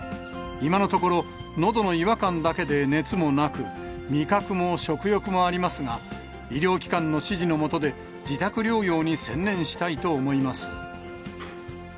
今のところ、のどの違和感だけで熱もなく、味覚も食欲もありますが、医療機関の指示の下で自宅療養に専念したいと思います。